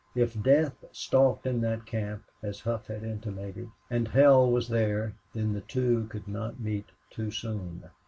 If death stalked in that camp, as Hough had intimated, and hell was there, then the two could not meet too soon.